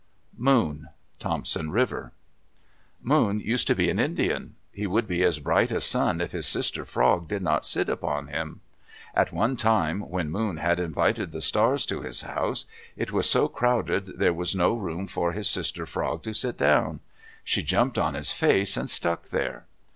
MOON Thompson River Moon used to be an Indian. He would be as bright as Sun if his sister Frog did not sit upon him. At one time when Moon had invited the Stars to his house, it was so crowded there was no room for his sister Frog to sit down. She jumped on his face and stuck there.